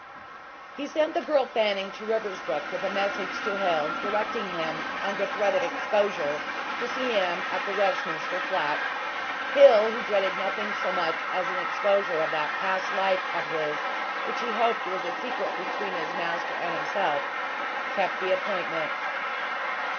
He sent the girl Fanning to Riversbrook with a message to Hill, directing him, under threat of exposure, to see him at the Westminster flat. Hill, who dreaded nothing so much as an exposure of that past life of his which he hoped was a secret between his master and himself, kept the appointment.